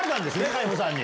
海保さんに。